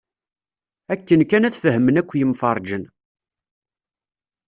Akken kan ad fehmen akk yimferǧen.